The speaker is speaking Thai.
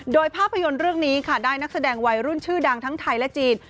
โดยภาพยนตร์เรื่องนี้ค่ะได้นักแสดงวัยรุ่นชื่อดังทั้งไทยและจีน